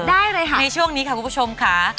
ได้เลยค่ะในช่วงนี้ค่ะคุณผู้ชมค่ะ